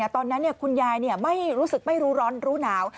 ตอนนั้นคุณยายไม่รู้สึกไม่รู้ร้อนรู้หนาว